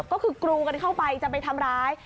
ก็คือกรูกันเข้าไปจะไปทำร้าย